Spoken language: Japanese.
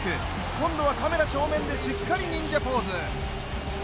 今度はカメラ正面でしっかり忍者ポーズ。